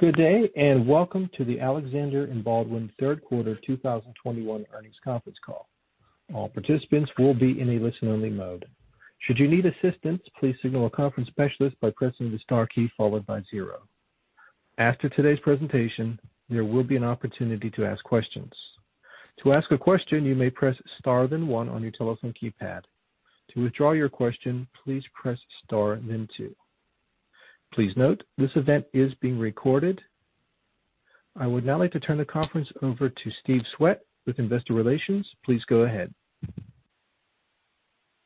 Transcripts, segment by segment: Good day, and welcome to the Alexander & Baldwin third quarter 2021 earnings conference call. All participants will be in a listen-only mode. Should you need assistance, please signal a conference specialist by pressing the star key followed by zero. After today's presentation, there will be an opportunity to ask questions. To ask a question, you may press star then one on your telephone keypad. To withdraw your question, please press star and then two. Please note, this event is being recorded. I would now like to turn the conference over to Steve Swett with investor relations. Please go ahead.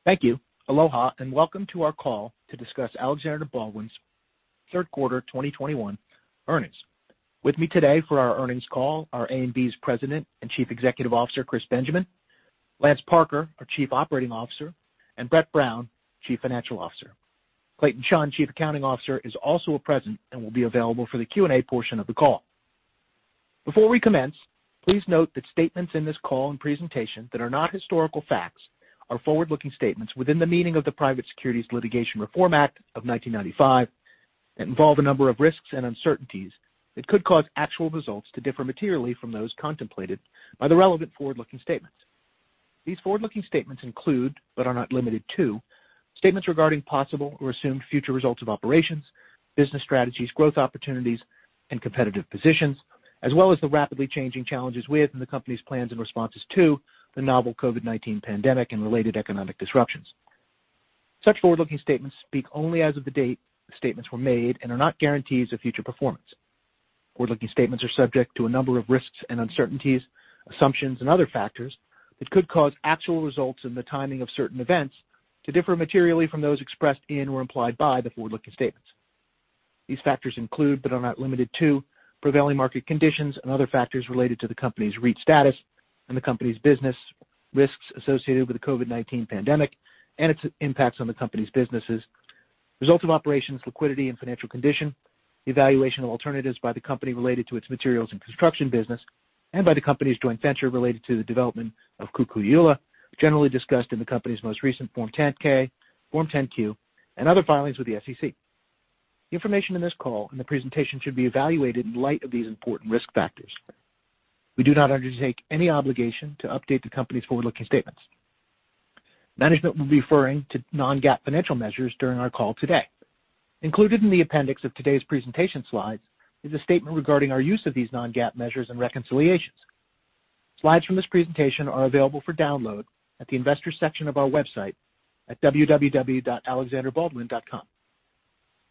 Thank you. Aloha, and welcome to our call to discuss Alexander & Baldwin's third quarter 2021 earnings. With me today for our earnings call are A&B's President and Chief Executive Officer, Chris Benjamin; Lance Parker, our Chief Operating Officer; and Brett Brown, Chief Financial Officer. Clayton Chun, Chief Accounting Officer, is also present and will be available for the Q&A portion of the call. Before we commence, please note that statements in this call and presentation that are not historical facts are forward-looking statements within the meaning of the Private Securities Litigation Reform Act of 1995 that involve a number of risks and uncertainties that could cause actual results to differ materially from those contemplated by the relevant forward-looking statements. These forward-looking statements include, but are not limited to, statements regarding possible or assumed future results of operations, business strategies, growth opportunities and competitive positions, as well as the rapidly changing challenges with, and the company's plans and responses to, the novel COVID-19 pandemic and related economic disruptions. Such forward-looking statements speak only as of the date the statements were made and are not guarantees of future performance. Forward-looking statements are subject to a number of risks and uncertainties, assumptions and other factors that could cause actual results and the timing of certain events to differ materially from those expressed in or implied by the forward-looking statements. These factors include, but are not limited to, prevailing market conditions and other factors related to the company's REIT status and the company's business risks associated with the COVID-19 pandemic and its impacts on the company's businesses, results of operations, liquidity and financial condition, evaluation of alternatives by the company related to its materials and construction business, and by the company's joint venture related to the development of Kukui'ula, generally discussed in the company's most recent Form 10-K, Form 10-Q, and other filings with the SEC. The information in this call and the presentation should be evaluated in light of these important risk factors. We do not undertake any obligation to update the company's forward-looking statements. Management will be referring to non-GAAP financial measures during our call today. Included in the appendix of today's presentation slides is a statement regarding our use of these non-GAAP measures and reconciliations. Slides from this presentation are available for download at the investor section of our website at www.alexanderbaldwin.com.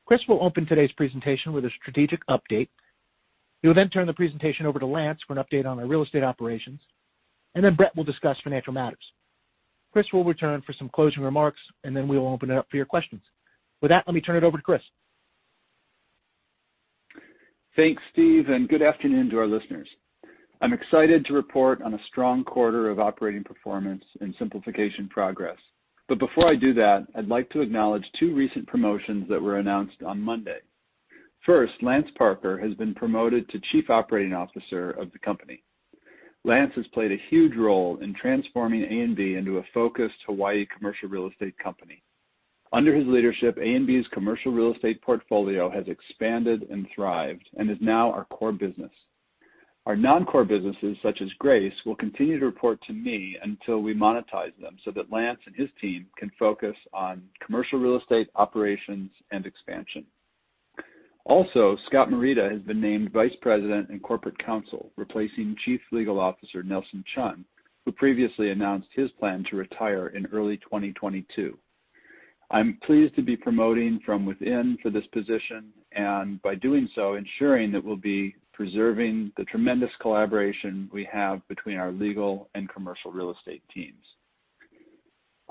Chris will open today's presentation with a strategic update. He will then turn the presentation over to Lance for an update on our real estate operations, and then Brett will discuss financial matters. Chris will return for some closing remarks, and then we will open it up for your questions. With that, let me turn it over to Chris. Thanks, Steve, and good afternoon to our listeners. I'm excited to report on a strong quarter of operating performance and simplification progress. Before I do that, I'd like to acknowledge two recent promotions that were announced on Monday. First, Lance Parker has been promoted to Chief Operating Officer of the company. Lance has played a huge role in transforming A&B into a focused Hawaii commercial real estate company. Under his leadership, A&B's commercial real estate portfolio has expanded and thrived and is now our core business. Our non-core businesses, such as Grace, will continue to report to me until we monetize them so that Lance and his team can focus on commercial real estate operations and expansion. Also, Scott Morita has been named Vice President and Corporate Counsel, replacing Chief Legal Officer Nelson Chun, who previously announced his plan to retire in early 2022. I'm pleased to be promoting from within for this position, and by doing so, ensuring that we'll be preserving the tremendous collaboration we have between our legal and commercial real estate teams.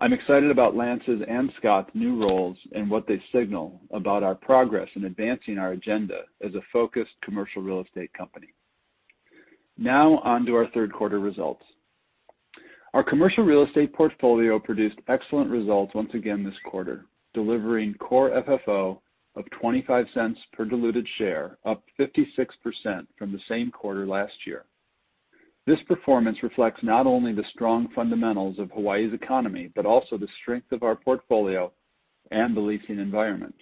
I'm excited about Lance's and Scott's new roles and what they signal about our progress in advancing our agenda as a focused commercial real estate company. Now on to our third quarter results. Our commercial real estate portfolio produced excellent results once again this quarter, delivering Core FFO of $0.25 per diluted share, up 56% from the same quarter last year. This performance reflects not only the strong fundamentals of Hawaii's economy, but also the strength of our portfolio and the leasing environment.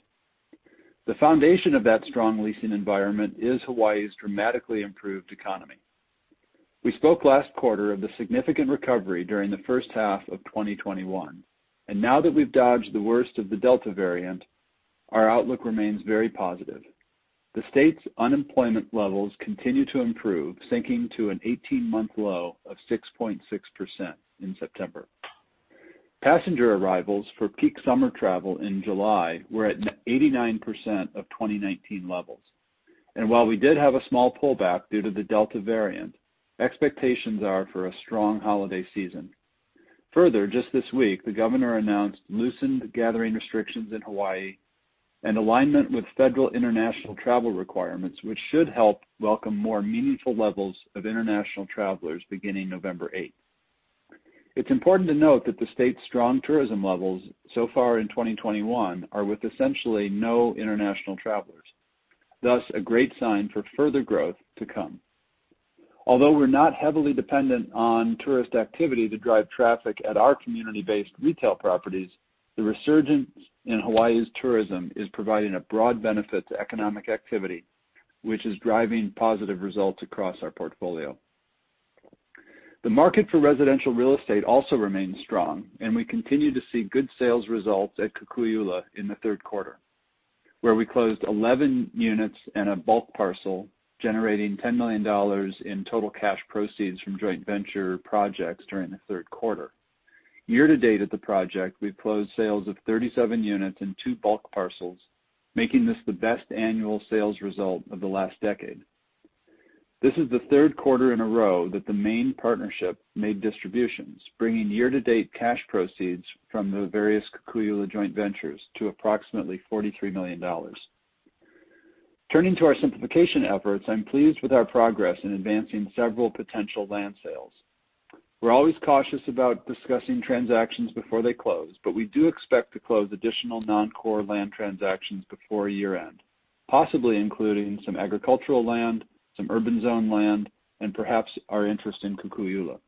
The foundation of that strong leasing environment is Hawaii's dramatically improved economy. We spoke last quarter of the significant recovery during the first half of 2021, and now that we've dodged the worst of the Delta variant, our outlook remains very positive. The state's unemployment levels continue to improve, sinking to an 18-month low of 6.6% in September. Passenger arrivals for peak summer travel in July were at 89% of 2019 levels. While we did have a small pullback due to the Delta variant, expectations are for a strong holiday season. Further, just this week, the governor announced loosened gathering restrictions in Hawaii and alignment with federal international travel requirements, which should help welcome more meaningful levels of international travelers beginning November 8. It's important to note that the state's strong tourism levels so far in 2021 are with essentially no international travelers, thus a great sign for further growth to come. Although we're not heavily dependent on tourist activity to drive traffic at our community-based retail properties, the resurgence in Hawaii's tourism is providing a broad benefit to economic activity, which is driving positive results across our portfolio. The market for residential real estate also remains strong, and we continue to see good sales results at Kukui'ula in the third quarter, where we closed 11 units and a bulk parcel, generating $10 million in total cash proceeds from joint venture projects during the third quarter. Year to date at the project, we've closed sales of 37 units and two bulk parcels, making this the best annual sales result of the last decade. This is the third quarter in a row that the main partnership made distributions, bringing year-to-date cash proceeds from the various Kukui'ula joint ventures to approximately $43 million. Turning to our simplification efforts, I'm pleased with our progress in advancing several potential land sales. We're always cautious about discussing transactions before they close, but we do expect to close additional non-core land transactions before year-end, possibly including some agricultural land, some urban zone land, and perhaps our interest in Kukui'ula.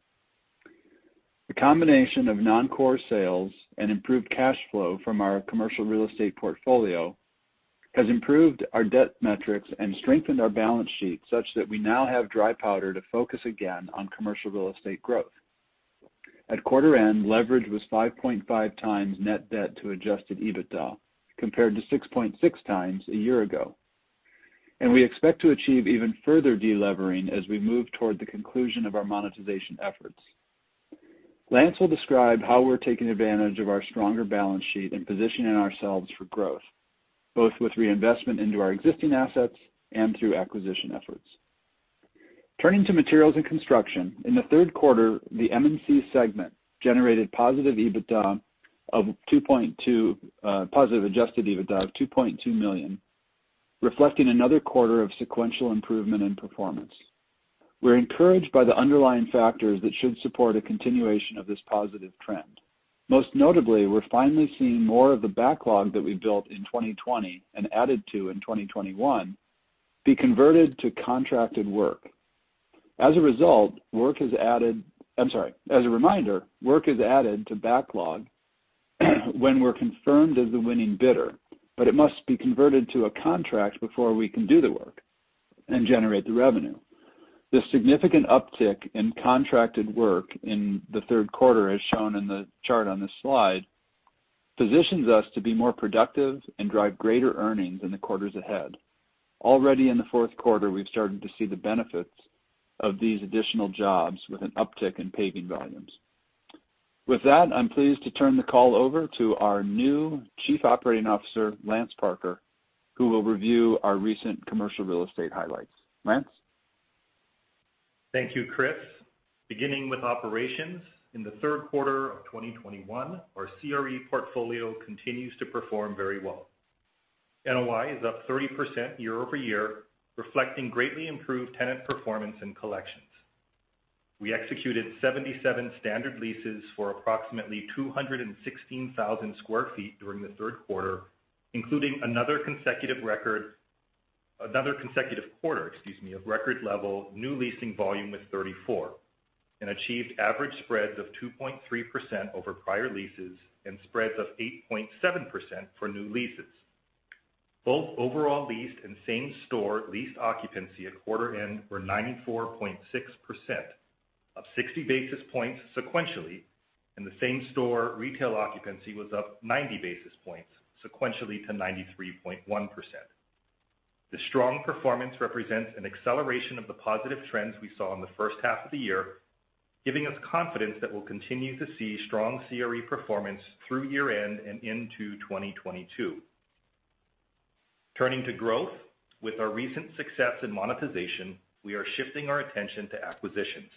The combination of non-core sales and improved cash flow from our commercial real estate portfolio has improved our debt metrics and strengthened our balance sheet such that we now have dry powder to focus again on commercial real estate growth. At quarter end, leverage was 5.5x net debt to adjusted EBITDA, compared to 6.6x a year ago. We expect to achieve even further de-levering as we move toward the conclusion of our monetization efforts. Lance will describe how we're taking advantage of our stronger balance sheet and positioning ourselves for growth, both with reinvestment into our existing assets and through acquisition efforts. Turning to materials and construction, in the third quarter, the M&C segment generated positive adjusted EBITDA of $2.2 million, reflecting another quarter of sequential improvement in performance. We're encouraged by the underlying factors that should support a continuation of this positive trend. Most notably, we're finally seeing more of the backlog that we built in 2020 and added to in 2021 be converted to contracted work. As a reminder, work is added to backlog when we're confirmed as the winning bidder, but it must be converted to a contract before we can do the work and generate the revenue. The significant uptick in contracted work in the third quarter, as shown in the chart on this slide, positions us to be more productive and drive greater earnings in the quarters ahead. Already in the fourth quarter, we've started to see the benefits of these additional jobs with an uptick in paving volumes. With that, I'm pleased to turn the call over to our new Chief Operating Officer, Lance Parker, who will review our recent commercial real estate highlights. Lance? Thank you, Chris. Beginning with operations, in the third quarter of 2021, our CRE portfolio continues to perform very well. NOI is up 30% year-over-year, reflecting greatly improved tenant performance and collections. We executed 77 standard leases for approximately 216,000 sq ft during the third quarter, including another consecutive quarter, excuse me, of record level new leasing volume with 34, and achieved average spreads of 2.3% over prior leases and spreads of 8.7% for new leases. Both overall leased and same-store leased occupancy at quarter end were 94.6%, up 60 basis points sequentially, and the same-store retail occupancy was up 90 basis points sequentially to 93.1%. The strong performance represents an acceleration of the positive trends we saw in the first half of the year, giving us confidence that we'll continue to see strong CRE performance through year-end and into 2022. Turning to growth, with our recent success in monetization, we are shifting our attention to acquisitions.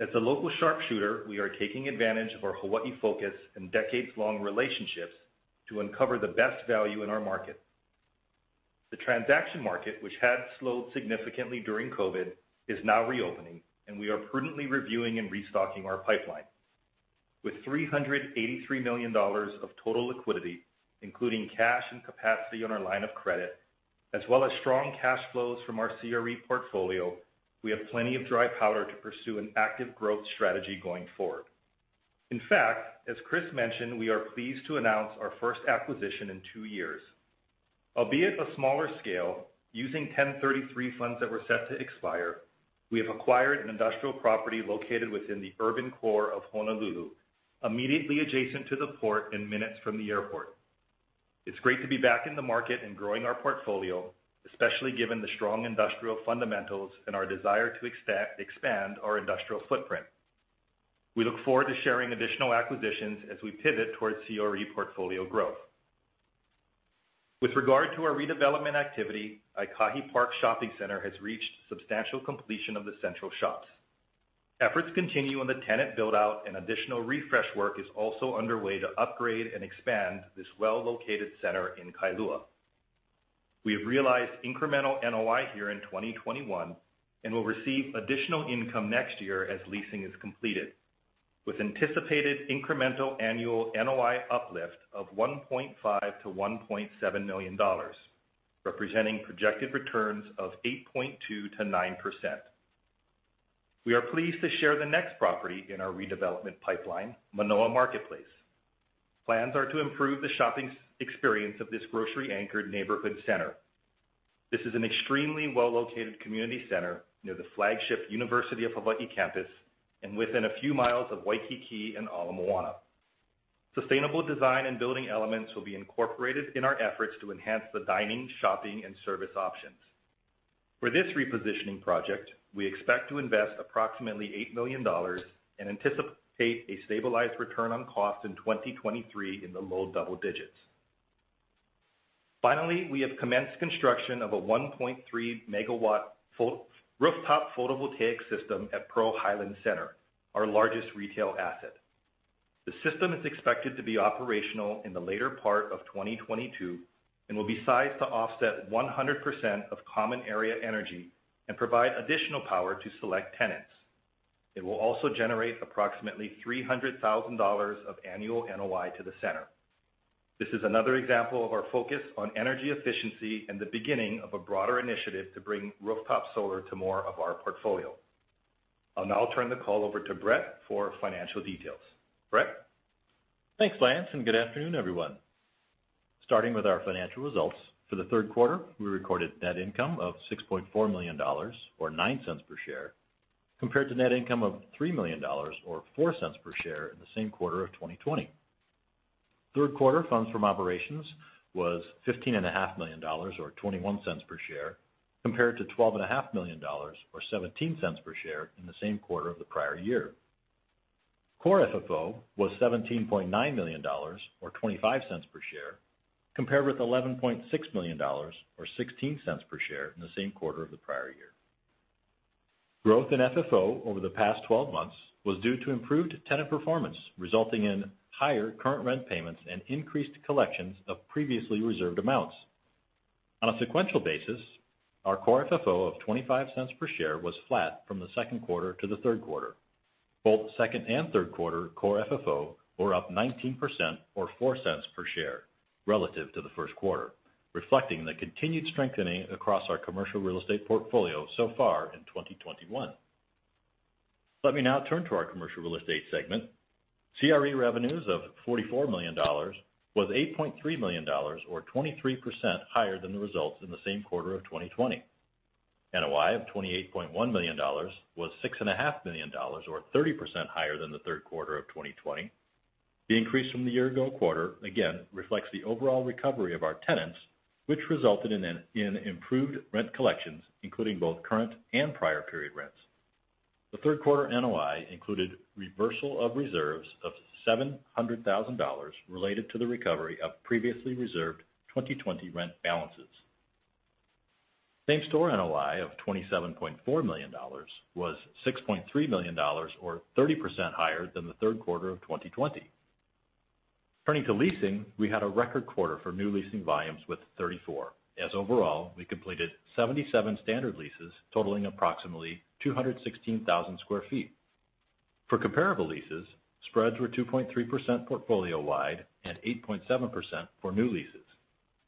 As a local sharpshooter, we are taking advantage of our Hawaii focus and decades-long relationships to uncover the best value in our market. The transaction market, which had slowed significantly during COVID, is now reopening, and we are prudently reviewing and restocking our pipeline. With $383 million of total liquidity, including cash and capacity on our line of credit, as well as strong cash flows from our CRE portfolio, we have plenty of dry powder to pursue an active growth strategy going forward. In fact, as Chris mentioned, we are pleased to announce our first acquisition in two years. Albeit a smaller scale, using 1033 funds that were set to expire, we have acquired an industrial property located within the urban core of Honolulu, immediately adjacent to the port and minutes from the airport. It's great to be back in the market and growing our portfolio, especially given the strong industrial fundamentals and our desire to expand our industrial footprint. We look forward to sharing additional acquisitions as we pivot towards CRE portfolio growth. With regard to our redevelopment activity, Aikahi Park Shopping Center has reached substantial completion of the central shops. Efforts continue on the tenant build-out and additional refresh work is also underway to upgrade and expand this well-located center in Kailua. We have realized incremental NOI here in 2021 and will receive additional income next year as leasing is completed. With anticipated incremental annual NOI uplift of $1.5 million-$1.7 million, representing projected returns of 8.2%-9%. We are pleased to share the next property in our redevelopment pipeline, Manoa Marketplace. Plans are to improve the shopping experience of this grocery-anchored neighborhood center. This is an extremely well-located community center near the flagship University of Hawaii campus, and within a few miles of Waikiki and Ala Moana. Sustainable design and building elements will be incorporated in our efforts to enhance the dining, shopping, and service options. For this repositioning project, we expect to invest approximately $8 million and anticipate a stabilized return on cost in 2023 in the low double digits. Finally, we have commenced construction of a 1.3 MW rooftop photovoltaic system at Pearl Highlands Center, our largest retail asset. The system is expected to be operational in the later part of 2022 and will be sized to offset 100% of common area energy and provide additional power to select tenants. It will also generate approximately $300,000 of annual NOI to the center. This is another example of our focus on energy efficiency and the beginning of a broader initiative to bring rooftop solar to more of our portfolio. I'll now turn the call over to Brett for financial details. Brett? Thanks, Lance, and good afternoon, everyone. Starting with our financial results, for the third quarter, we recorded net income of $6.4 million or $0.09 per share, compared to net income of $3 million or $0.04 per share in the same quarter of 2020. Third quarter funds from operations was $15.5 million or $0.21 per share, compared to $12.5 million or $0.17 per share in the same quarter of the prior year. Core FFO was $17.9 million or $0.25 per share, compared with $11.6 million or $0.16 per share in the same quarter of the prior year. Growth in FFO over the past twelve months was due to improved tenant performance, resulting in higher current rent payments and increased collections of previously reserved amounts. On a sequential basis, our core FFO of $0.25 per share was flat from the second quarter to the third quarter. Both second and third quarter core FFO were up 19% or $0.04 per share relative to the first quarter, reflecting the continued strengthening across our commercial real estate portfolio so far in 2021. Let me now turn to our commercial real estate segment. CRE revenues of $44 million was $8.3 million or 23% higher than the results in the same quarter of 2020. NOI of $28.1 million was $6.5 million or 30% higher than the third quarter of 2020. The increase from the year ago quarter again reflects the overall recovery of our tenants, which resulted in an improved rent collections, including both current and prior period rents. The third quarter NOI included reversal of reserves of $700,000 related to the recovery of previously reserved 2020 rent balances. Same-store NOI of $27.4 million was $6.3 million or 30% higher than the third quarter of 2020. Turning to leasing, we had a record quarter for new leasing volumes with 34, as overall we completed 77 standard leases totaling approximately 216,000 sq ft. For comparable leases, spreads were 2.3% portfolio-wide and 8.7% for new leases.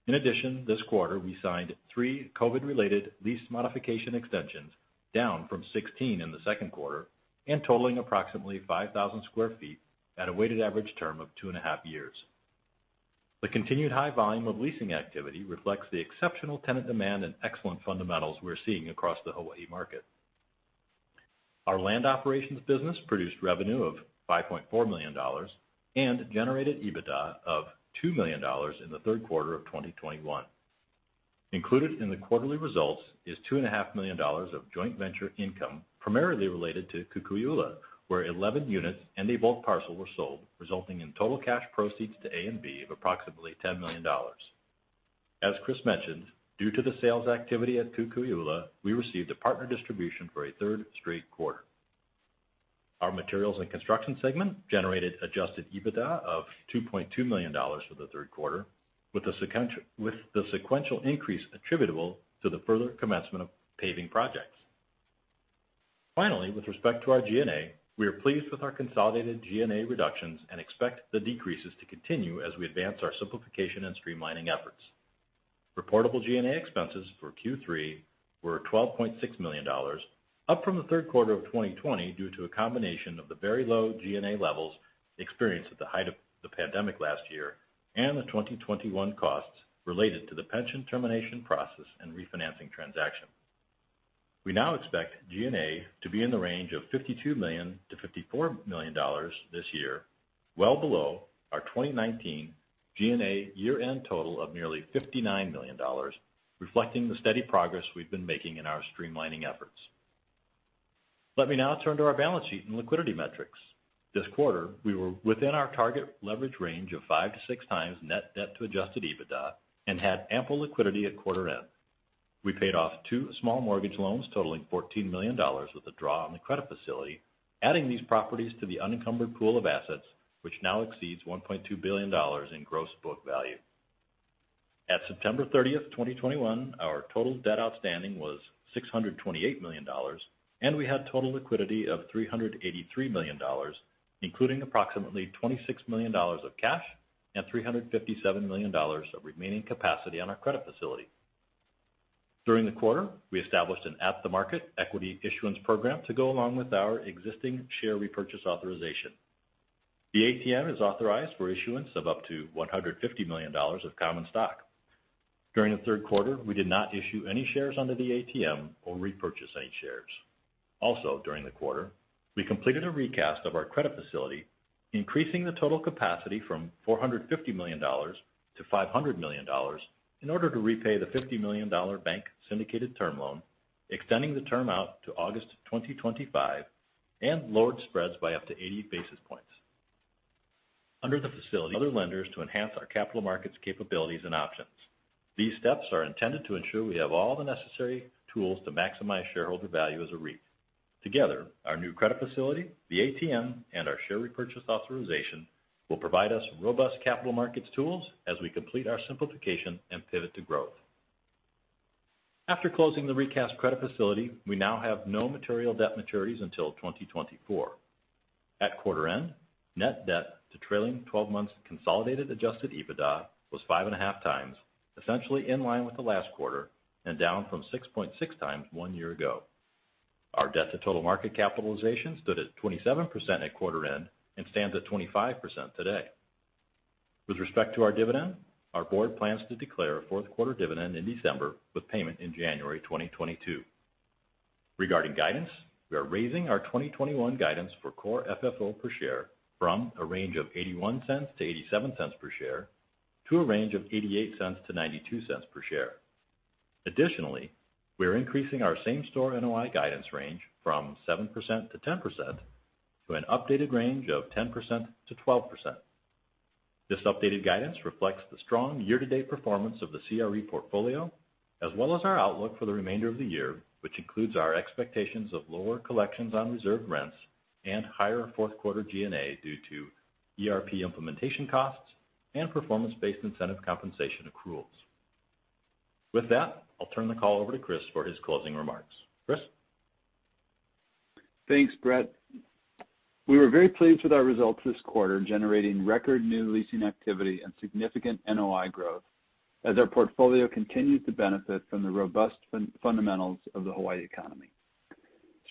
In addition, this quarter we signed three COVID-related lease modification extensions, down from 16 in the second quarter and totaling approximately 5,000 sq ft at a weighted average term of two and a half years. The continued high volume of leasing activity reflects the exceptional tenant demand and excellent fundamentals we're seeing across the Hawaii market. Our land operations business produced revenue of $5.4 million and generated EBITDA of $2 million in the third quarter of 2021. Included in the quarterly results is $2.5 million of joint venture income, primarily related to Kukui'ula, where 11 units and a bulk parcel were sold, resulting in total cash proceeds to A&B of approximately $10 million. As Chris mentioned, due to the sales activity at Kukui'ula, we received a partner distribution for a third straight quarter. Our materials and construction segment generated adjusted EBITDA of $2.2 million for the third quarter, with the sequential increase attributable to the further commencement of paving projects. Finally, with respect to our G&A, we are pleased with our consolidated G&A reductions and expect the decreases to continue as we advance our simplification and streamlining efforts. Reportable G&A expenses for Q3 were $12.6 million, up from the third quarter of 2020 due to a combination of the very low G&A levels experienced at the height of the pandemic last year and the 2021 costs related to the pension termination process and refinancing transaction. We now expect G&A to be in the range of $52 million-$54 million this year, well below our 2019 G&A year-end total of nearly $59 million, reflecting the steady progress we've been making in our streamlining efforts. Let me now turn to our balance sheet and liquidity metrics. This quarter, we were within our target leverage range of 5x-6x net debt to adjusted EBITDA and had ample liquidity at quarter end. We paid off two small mortgage loans totaling $14 million with a draw on the credit facility, adding these properties to the unencumbered pool of assets, which now exceeds $1.2 billion in gross book value. At September 30th, 2021, our total debt outstanding was $628 million, and we had total liquidity of $383 million, including approximately $26 million of cash and $357 million of remaining capacity on our credit facility. During the quarter, we established an at-the-market equity issuance program to go along with our existing share repurchase authorization. The ATM is authorized for issuance of up to $150 million of common stock. During the third quarter, we did not issue any shares under the ATM or repurchase any shares. Also, during the quarter, we completed a recast of our credit facility, increasing the total capacity from $450 million-$500 million in order to repay the $50 million bank syndicated term loan, extending the term out to August 2025, and lowered spreads by up to 80 basis points. Under the facility, other lenders to enhance our capital markets capabilities and options. These steps are intended to ensure we have all the necessary tools to maximize shareholder value as a REIT. Together, our new credit facility, the ATM, and our share repurchase authorization will provide us robust capital markets tools as we complete our simplification and pivot to growth. After closing the recast credit facility, we now have no material debt maturities until 2024. At quarter end, net debt to trailing twelve months consolidated adjusted EBITDA was 5.5x, essentially in line with the last quarter and down from 6.6x one year ago. Our debt to total market capitalization stood at 27% at quarter end and stands at 25% today. With respect to our dividend, our board plans to declare a fourth quarter dividend in December with payment in January 2022. Regarding guidance, we are raising our 2021 guidance for core FFO per share from a range of $0.81-$0.87 per share to a range of $0.88-$0.92 per share. Additionally, we are increasing our same-store NOI guidance range from 7%-10% to an updated range of 10%-12%. This updated guidance reflects the strong year-to-date performance of the CRE portfolio, as well as our outlook for the remainder of the year, which includes our expectations of lower collections on reserved rents and higher fourth quarter G&A due to ERP implementation costs and performance-based incentive compensation accruals. With that, I'll turn the call over to Chris for his closing remarks. Chris? Thanks, Brett. We were very pleased with our results this quarter, generating record new leasing activity and significant NOI growth as our portfolio continues to benefit from the robust fundamentals of the Hawaii economy.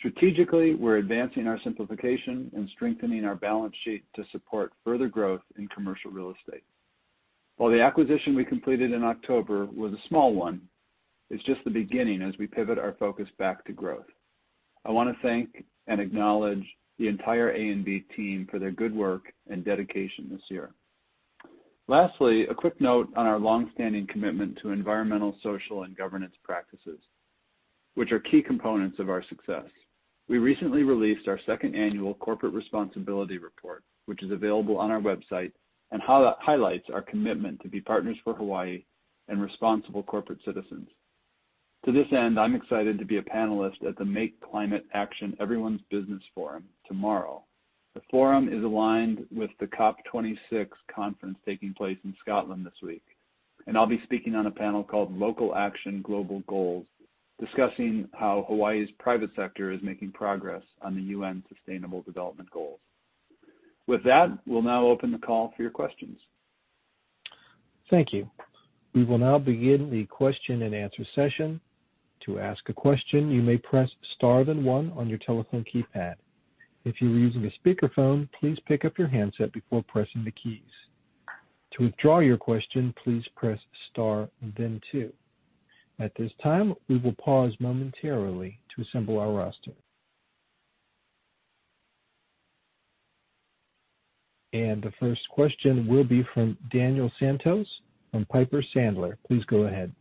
Strategically, we're advancing our simplification and strengthening our balance sheet to support further growth in commercial real estate. While the acquisition we completed in October was a small one, it's just the beginning as we pivot our focus back to growth. I want to thank and acknowledge the entire A&B team for their good work and dedication this year. Lastly, a quick note on our long-standing commitment to environmental, social, and governance practices, which are key components of our success. We recently released our second annual corporate responsibility report, which is available on our website, and highlights our commitment to be partners for Hawaii and responsible corporate citizens. To this end, I'm excited to be a panelist at the Make Climate Action Everyone's Business Forum tomorrow. The forum is aligned with the COP26 conference taking place in Scotland this week, and I'll be speaking on a panel called Local Action, Global Goals, discussing how Hawaii's private sector is making progress on the UN Sustainable Development Goals. With that, we'll now open the call for your questions. Thank you. We will now begin the question-and-answer session. To ask a question, you may press star then one on your telephone keypad. If you are using a speakerphone, please pick up your handset before pressing the keys. To withdraw your question, please press star then two. At this time, we will pause momentarily to assemble our roster. The first question will be from Daniel Santos from Piper Sandler. Please go ahead.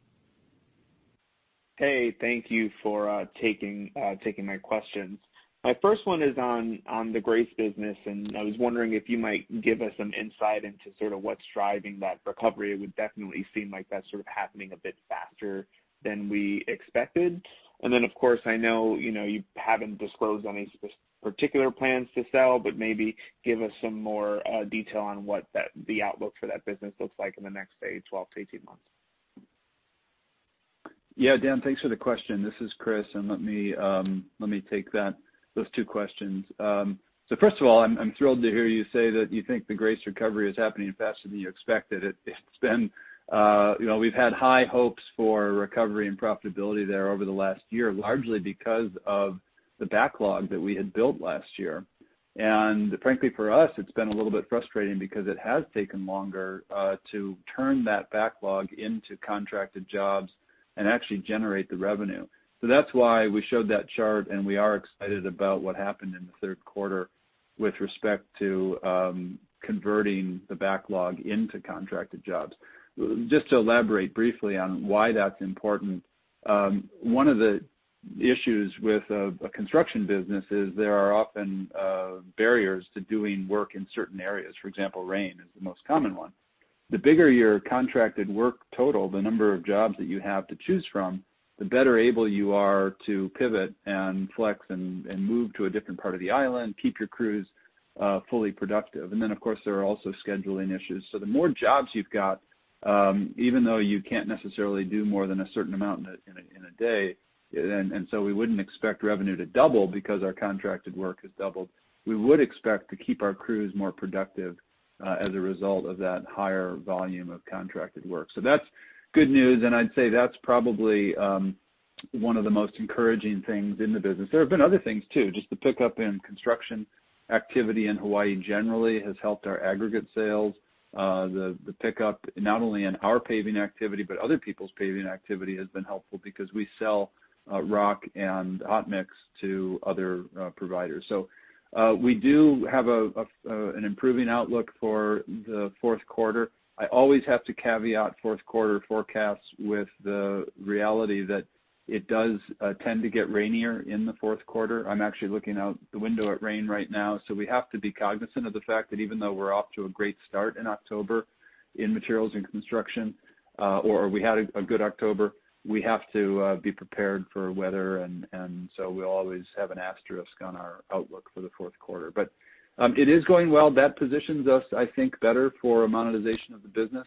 Hey, thank you for taking my questions. My first one is on the Grace business, and I was wondering if you might give us some insight into sort of what's driving that recovery. It would definitely seem like that's sort of happening a bit faster than we expected. Of course, I know, you know, you haven't disclosed any specific particular plans to sell, but maybe give us some more detail on what the outlook for that business looks like in the next, say, 12-18 months. Yeah, Dan, thanks for the question. This is Chris, and let me take those two questions. First of all, I'm thrilled to hear you say that you think the Grace recovery is happening faster than you expected. It's been. You know, we've had high hopes for recovery and profitability there over the last year, largely because of the backlog that we had built last year. Frankly, for us, it's been a little bit frustrating because it has taken longer to turn that backlog into contracted jobs and actually generate the revenue. That's why we showed that chart, and we are excited about what happened in the third quarter with respect to converting the backlog into contracted jobs. Just to elaborate briefly on why that's important, one of the issues with a construction business is there are often barriers to doing work in certain areas. For example, rain is the most common one. The bigger your contracted work total, the number of jobs that you have to choose from, the better able you are to pivot and flex and move to a different part of the island, keep your crews fully productive. Of course, there are also scheduling issues. The more jobs you've got, even though you can't necessarily do more than a certain amount in a day, and so we wouldn't expect revenue to double because our contracted work has doubled, we would expect to keep our crews more productive as a result of that higher volume of contracted work. That's good news, and I'd say that's probably one of the most encouraging things in the business. There have been other things too. Just the pickup in construction activity in Hawaii generally has helped our aggregate sales. The pickup not only in our paving activity but other people's paving activity has been helpful because we sell rock and hot mix to other providers. We do have an improving outlook for the fourth quarter. I always have to caveat fourth quarter forecasts with the reality that it does tend to get rainier in the fourth quarter. I'm actually looking out the window at rain right now. We have to be cognizant of the fact that even though we're off to a great start in October in materials and construction, or we had a good October, we have to be prepared for weather and so we always have an asterisk on our outlook for the fourth quarter. It is going well. That positions us, I think, better for a monetization of the business.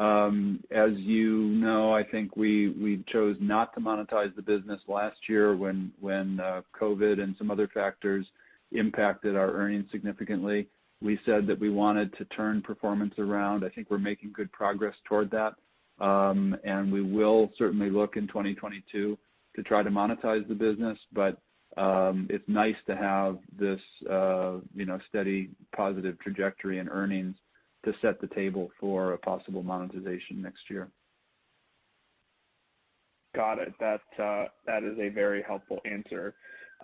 As you know, I think we chose not to monetize the business last year when COVID and some other factors impacted our earnings significantly. We said that we wanted to turn performance around. I think we're making good progress toward that. We will certainly look in 2022 to try to monetize the business. It's nice to have this, you know, steady positive trajectory in earnings to set the table for a possible monetization next year. Got it. That, that is a very helpful answer.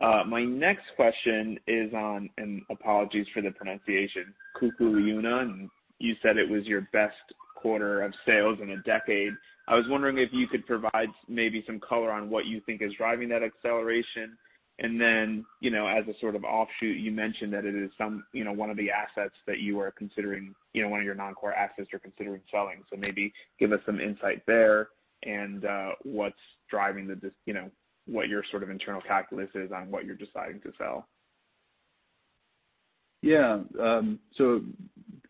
My next question is on, and apologies for the pronunciation, Kukui'ula, and you said it was your best quarter of sales in a decade. I was wondering if you could provide maybe some color on what you think is driving that acceleration. You know, as a sort of offshoot, you mentioned that it is some, you know, one of the assets that you are considering, you know, one of your non-core assets you're considering selling. Maybe give us some insight there and, what's driving the you know, what your sort of internal calculus is on what you're deciding to sell.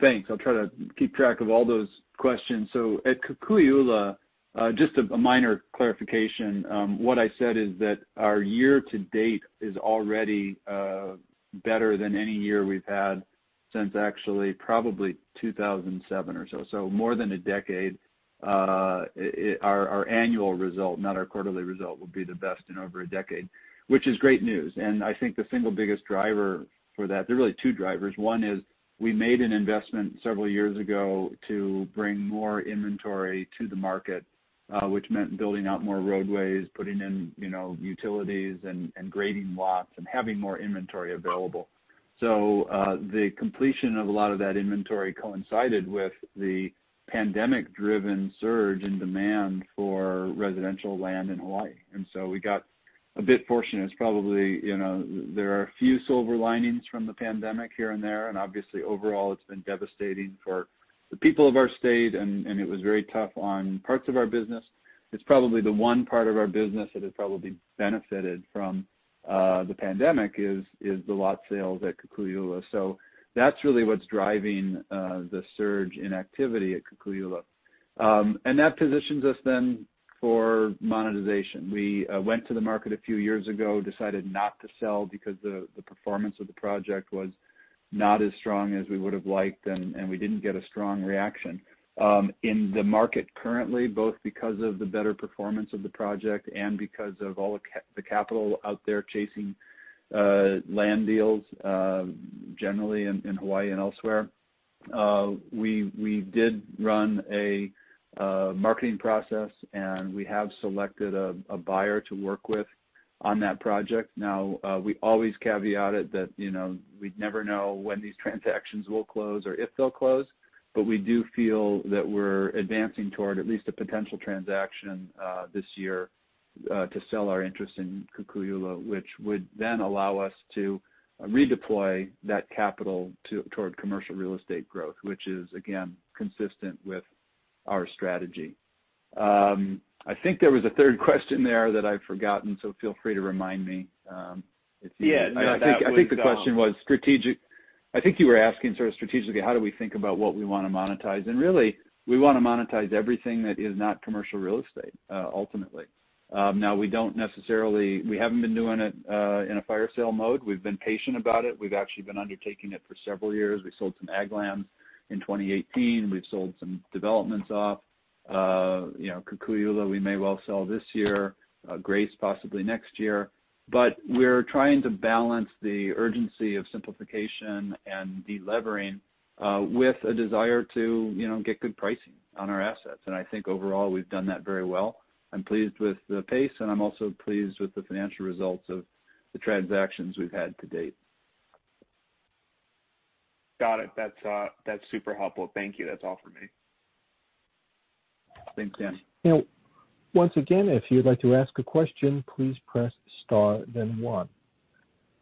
Thanks. I'll try to keep track of all those questions. At Kukui'ula, just a minor clarification, what I said is that our year to date is already better than any year we've had since actually probably 2007 or so. More than a decade, our annual result, not our quarterly result, will be the best in over a decade, which is great news. I think the single biggest driver for that. There are really two drivers. One is we made an investment several years ago to bring more inventory to the market, which meant building out more roadways, putting in, you know, utilities and grading lots and having more inventory available. The completion of a lot of that inventory coincided with the pandemic-driven surge in demand for residential land in Hawaii. We got a bit fortunate. It's probably, you know, there are a few silver linings from the pandemic here and there, and obviously, overall, it's been devastating for the people of our state and it was very tough on parts of our business. It's probably the one part of our business that has probably benefited from the pandemic is the lot sales at Kukui'ula. That's really what's driving the surge in activity at Kukui'ula. That positions us then for monetization. We went to the market a few years ago, decided not to sell because the performance of the project was not as strong as we would have liked, and we didn't get a strong reaction. In the market currently, both because of the better performance of the project and because of all the capital out there chasing land deals, generally in Hawaii and elsewhere, we did run a marketing process, and we have selected a buyer to work with on that project. Now, we always caveat it that, you know, we never know when these transactions will close or if they'll close, but we do feel that we're advancing toward at least a potential transaction this year to sell our interest in Kukui'ula, which would then allow us to redeploy that capital toward commercial real estate growth, which is, again, consistent with our strategy. I think there was a third question there that I've forgotten, so feel free to remind me. Yeah, no, that was. I think the question was strategic. I think you were asking sort of strategically how do we think about what we wanna monetize. Really, we wanna monetize everything that is not commercial real estate ultimately. We haven't been doing it in a fire sale mode. We've been patient about it. We've actually been undertaking it for several years. We sold some ag land in 2018. We've sold some developments off. You know, Kukui'ula we may well sell this year, Grace possibly next year. We're trying to balance the urgency of simplification and delevering with a desire to, you know, get good pricing on our assets. I think overall, we've done that very well. I'm pleased with the pace, and I'm also pleased with the financial results of the transactions we've had to date. Got it. That's super helpful. Thank you. That's all for me. Thanks, Daniel. Once again, if you like to ask a question, please press star then one.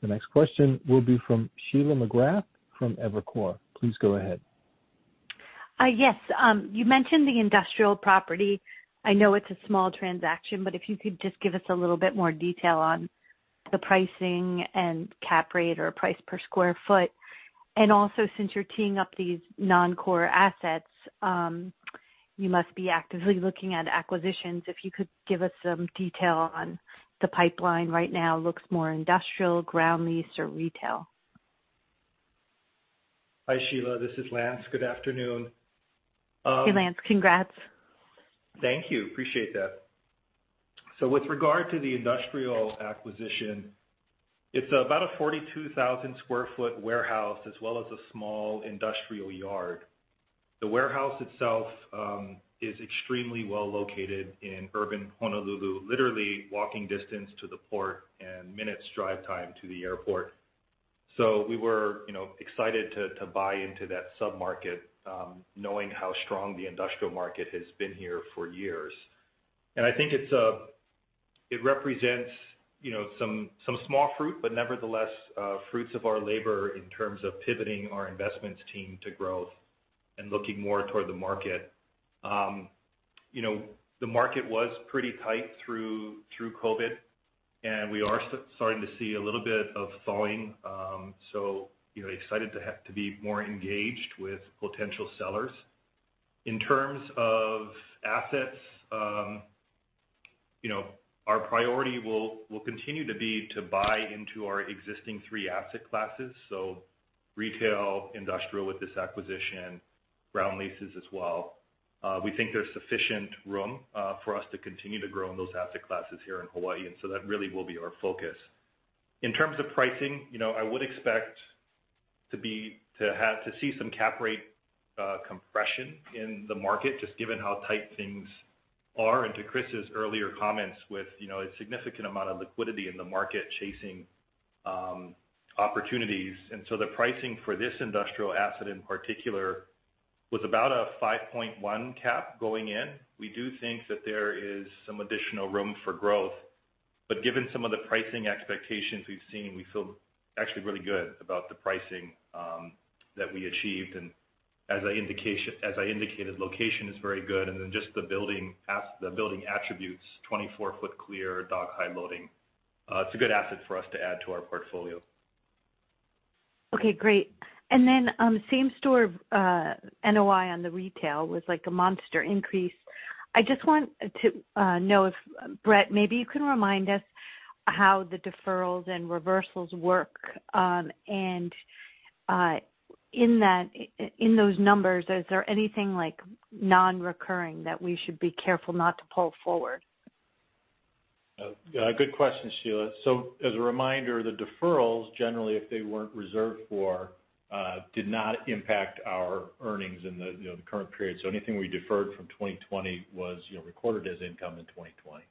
The next question will be from Sheila McGrath from Evercore. Please go ahead. Yes. You mentioned the industrial property. I know it's a small transaction, but if you could just give us a little bit more detail on the pricing and cap rate or price per square foot. Also, since you're teeing up these non-core assets, you must be actively looking at acquisitions. If you could give us some detail on what the pipeline right now looks like, more industrial, ground lease, or retail. Hi, Sheila, this is Lance. Good afternoon. Hey, Lance. Congrats. Thank you. Appreciate that. With regard to the industrial acquisition, it's about a 42,000 sq ft warehouse as well as a small industrial yard. The warehouse itself is extremely well located in urban Honolulu, literally walking distance to the port and minutes drive time to the airport. We were, you know, excited to buy into that sub-market, knowing how strong the industrial market has been here for years. I think it represents, you know, some small fruit, but nevertheless, fruits of our labor in terms of pivoting our investments team to growth and looking more toward the market. You know, the market was pretty tight through COVID, and we are starting to see a little bit of thawing, so, you know, excited to be more engaged with potential sellers. In terms of assets, you know, our priority will continue to be to buy into our existing three asset classes. Retail, industrial with this acquisition, ground leases as well. We think there's sufficient room for us to continue to grow in those asset classes here in Hawaii, and that really will be our focus. In terms of pricing, you know, I would expect to see some cap rate compression in the market, just given how tight things are, and to Chris's earlier comments with, you know, a significant amount of liquidity in the market chasing opportunities. The pricing for this industrial asset in particular was about a 5.1 cap going in. We do think that there is some additional room for growth. Given some of the pricing expectations we've seen, we feel actually really good about the pricing that we achieved. As I indicated, location is very good. Just the building attributes, 24 ft clear dock-high loading. It's a good asset for us to add to our portfolio. Okay, great. Same-store NOI on the retail was like a monster increase. I just want to know if, Brett, maybe you can remind us how the deferrals and reversals work. In those numbers, is there anything like non-recurring that we should be careful not to pull forward? Yeah, good question, Sheila. As a reminder, the deferrals, generally if they weren't reserved for, did not impact our earnings in the, you know, the current period. Anything we deferred from 2020 was, you know, recorded as income in 2020.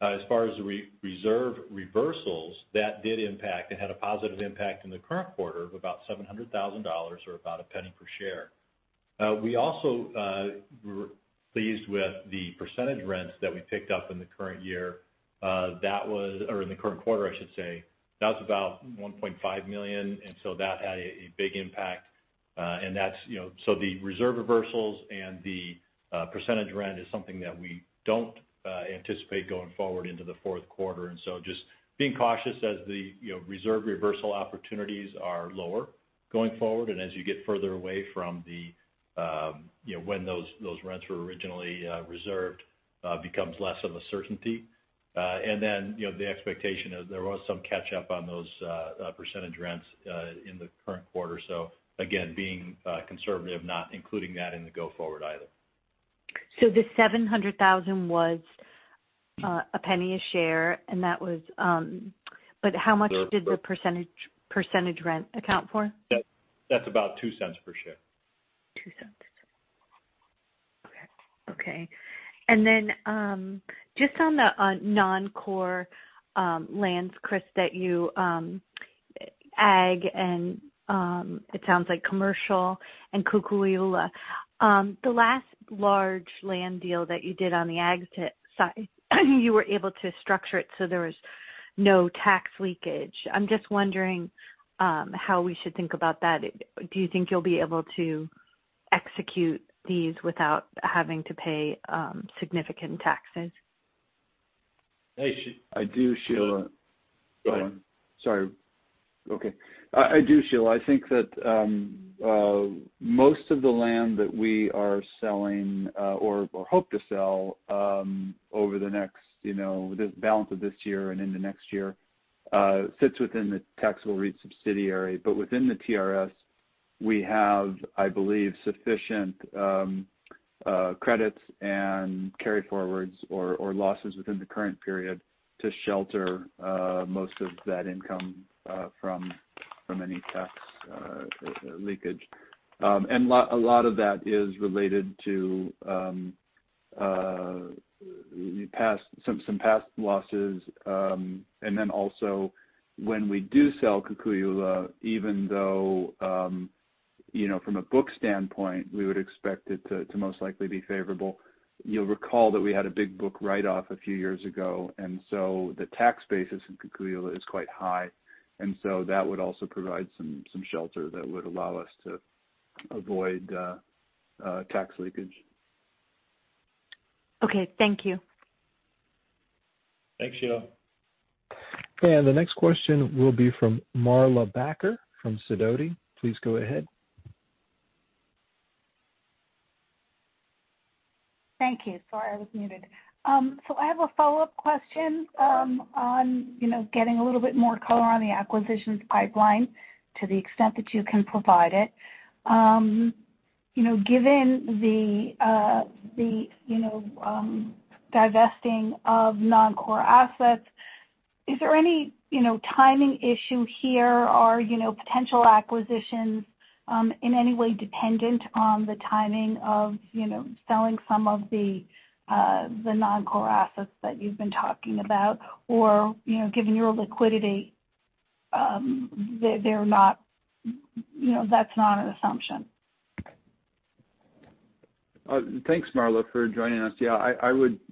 As far as reserve reversals, that did impact. It had a positive impact in the current quarter of about $700,000 or about $0.01 per share. We also were pleased with the percentage rents that we picked up in the current year. Or in the current quarter, I should say. That was about $1.5 million, and so that had a big impact. And that's, you know, the reserve reversals and the percentage rent is something that we don't anticipate going forward into the fourth quarter. Just being cautious as the you know, reserve reversal opportunities are lower going forward, and as you get further away from the you know, when those rents were originally reserved, becomes less of a certainty. You know, the expectation is there was some catch-up on those percentage rents in the current quarter. Again, being conservative, not including that in the go forward either. The $700,000 was a penny share. How much did the percentage rent account for? That, that's about $0.02 per share. $0.02. Okay. Just on the non-core lands, Chris, that you ag and it sounds like commercial and Kukui'ula. The last large land deal that you did on the ag side, you were able to structure it so there was no tax leakage. I'm just wondering how we should think about that. Do you think you'll be able to execute these without having to pay significant taxes? Hey, Sheila. I do, Sheila. Go ahead. Sorry. Okay. I do, Sheila. I think that most of the land that we are selling or hope to sell over the next, you know, the balance of this year and into next year sits within the taxable REIT subsidiary. Within the TRS, we have, I believe, sufficient credits and carry forwards or losses within the current period to shelter most of that income from any tax leakage. A lot of that is related to You pass some past losses. Also when we do sell Kukui'ula, even though, you know, from a book standpoint, we would expect it to most likely be favorable. You'll recall that we had a big book write-off a few years ago, and so the tax basis in Kukui'ula is quite high. That would also provide some shelter that would allow us to avoid tax leakage. Okay, thank you. Thanks, Sheila. The next question will be from Marla Backer from Sidoti. Please go ahead. Thank you. Sorry, I was muted. I have a follow-up question on you know, getting a little bit more color on the acquisitions pipeline to the extent that you can provide it. You know, given the you know, divesting of non-core assets, is there any you know, timing issue here? Are you know, potential acquisitions in any way dependent on the timing of you know, selling some of the non-core assets that you've been talking about? Or you know, given your liquidity, they're not. You know, that's not an assumption. Thanks Marla for joining us.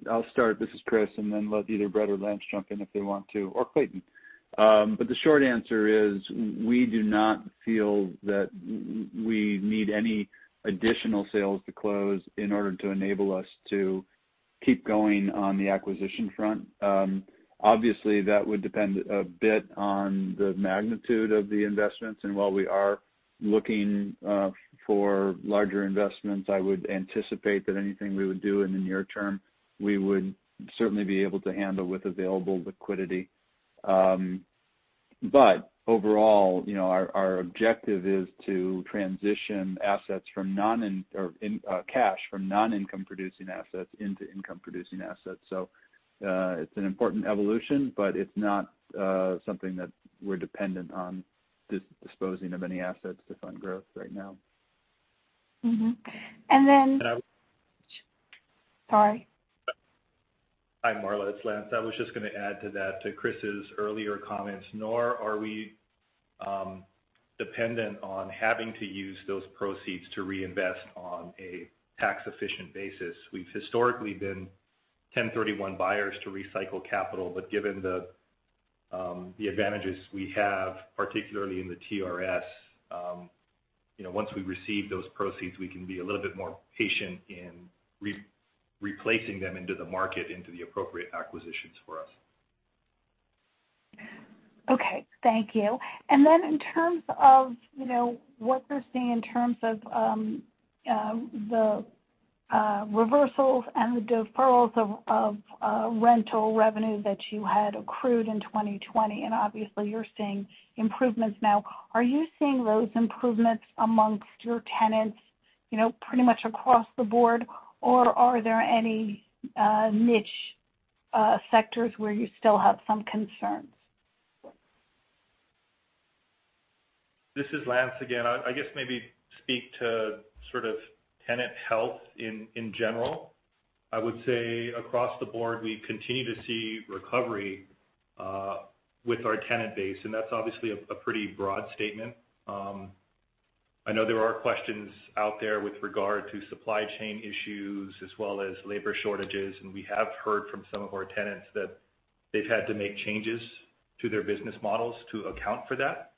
I'll start, this is Chris, and then let either Brett or Lance jump in if they want to, or Clayton. The short answer is we do not feel that we need any additional sales to close in order to enable us to keep going on the acquisition front. Obviously, that would depend a bit on the magnitude of the investments. While we are looking for larger investments, I would anticipate that anything we would do in the near term, we would certainly be able to handle with available liquidity. Overall, you know, our objective is to transition cash from non-income producing assets into income producing assets. It's an important evolution, but it's not something that we're dependent on disposing of any assets to fund growth right now. Mm-hmm. And I would- Sorry. Hi, Marla. It's Lance. I was just gonna add to that, to Chris's earlier comments. Nor are we dependent on having to use those proceeds to reinvest on a tax-efficient basis. We've historically been 1031 buyers to recycle capital. Given the advantages we have, particularly in the TRS, you know, once we receive those proceeds, we can be a little bit more patient in replacing them into the market, into the appropriate acquisitions for us. Okay. Thank you. In terms of, you know, what we're seeing in terms of the reversals and the deferrals of rental revenue that you had accrued in 2020, and obviously you're seeing improvements now. Are you seeing those improvements among your tenants, you know, pretty much across the board, or are there any niche sectors where you still have some concerns? This is Lance again. I guess maybe speak to sort of tenant health in general. I would say across the board, we continue to see recovery with our tenant base, and that's obviously a pretty broad statement. I know there are questions out there with regard to supply chain issues as well as labor shortages, and we have heard from some of our tenants that they've had to make changes to their business models to account for that.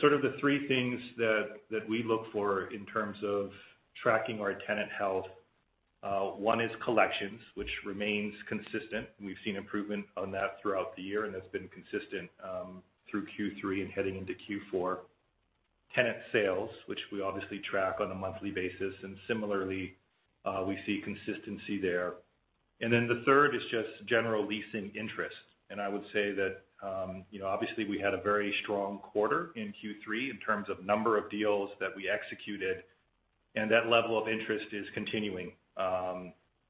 Sort of the three things that we look for in terms of tracking our tenant health, one is collections, which remains consistent. We've seen improvement on that throughout the year, and that's been consistent through Q3 and heading into Q4. Tenant sales, which we obviously track on a monthly basis, and similarly, we see consistency there. The third is just general leasing interest. I would say that, you know, obviously we had a very strong quarter in Q3 in terms of number of deals that we executed, and that level of interest is continuing,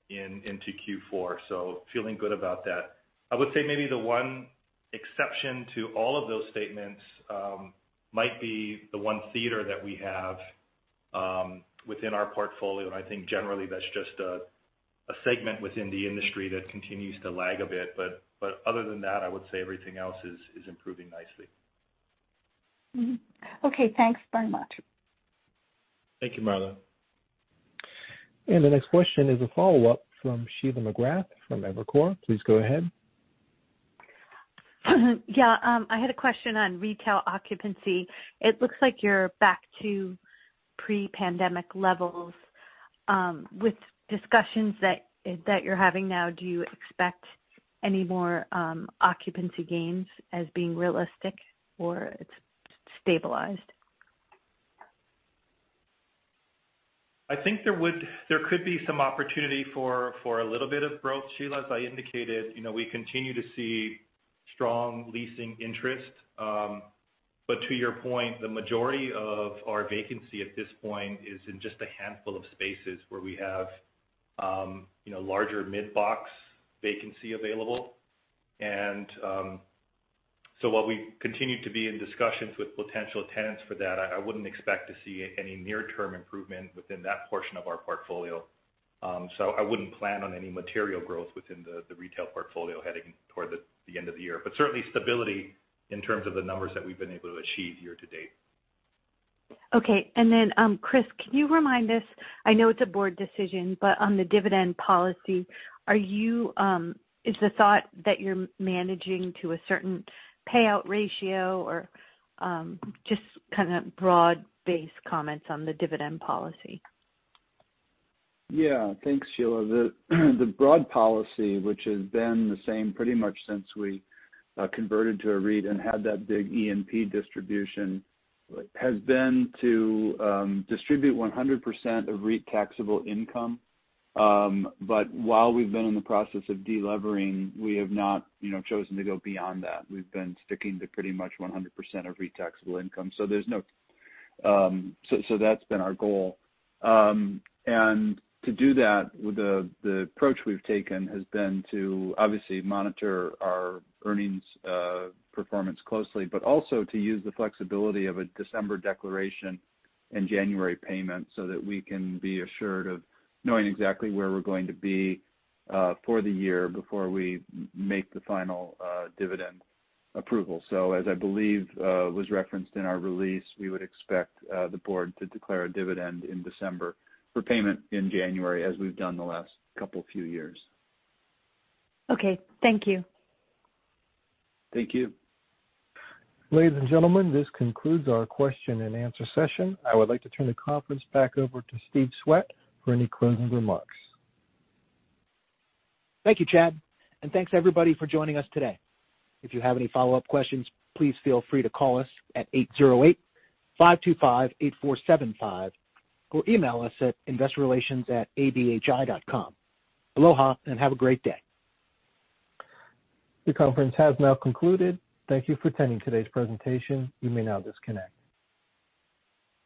into Q4. Feeling good about that. I would say maybe the one exception to all of those statements might be the one theater that we have within our portfolio. I think generally that's just a segment within the industry that continues to lag a bit. Other than that, I would say everything else is improving nicely. Mm-hmm. Okay. Thanks very much. Thank you, Marla. The next question is a follow-up from Sheila McGrath from Evercore. Please go ahead. Yeah. I had a question on retail occupancy. It looks like you're back to pre-pandemic levels. With discussions that you're having now, do you expect any more, occupancy gains as being realistic or it's stabilized? I think there could be some opportunity for a little bit of growth, Sheila. As I indicated, you know, we continue to see strong leasing interest. But to your point, the majority of our vacancy at this point is in just a handful of spaces where we have, you know, larger mid-box vacancy available. While we continue to be in discussions with potential tenants for that, I wouldn't expect to see any near-term improvement within that portion of our portfolio. I wouldn't plan on any material growth within the retail portfolio heading toward the end of the year. Certainly stability in terms of the numbers that we've been able to achieve year-to-date. Chris, can you remind us? I know it's a board decision, but on the dividend policy, are you—is the thought that you're managing to a certain payout ratio or just kind of broad-based comments on the dividend policy? Yeah. Thanks, Sheila. The broad policy, which has been the same pretty much since we converted to a REIT and had that big E&P distribution, has been to distribute 100% of REIT taxable income. But while we've been in the process of de-levering, we have not, you know, chosen to go beyond that. We've been sticking to pretty much 100% of REIT taxable income. So that's been our goal. And to do that, the approach we've taken has been to obviously monitor our earnings performance closely, but also to use the flexibility of a December declaration and January payment so that we can be assured of knowing exactly where we're going to be for the year before we make the final dividend approval. As I believe was referenced in our release, we would expect the board to declare a dividend in December for payment in January, as we've done the last few years. Okay. Thank you. Thank you. Ladies and gentlemen, this concludes our question-and-answer session. I would like to turn the conference back over to Steve Swett for any closing remarks. Thank you, Chad, and thanks everybody for joining us today. If you have any follow-up questions, please feel free to call us at 808-525-8475 or email us at investorrelations@abhi.com. Aloha and have a great day. The conference has now concluded. Thank you for attending today's presentation. You may now disconnect.